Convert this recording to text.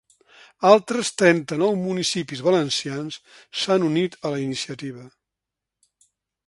Altres trenta-nou municipis valencians s’han unit a la iniciativa.